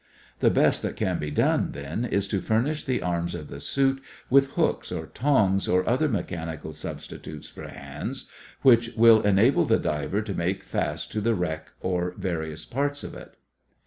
The best that can be done, then, is to furnish the arms of the suit with hooks or tongs or other mechanical substitutes for hands which will enable the diver to make fast to the wreck or various parts of it.